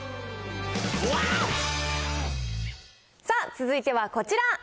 さあ、続いてはこちら。